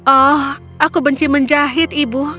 oh aku benci menjahit ibu